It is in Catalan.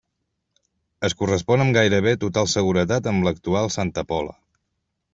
Es correspon amb gairebé total seguretat amb l'actual Santa Pola.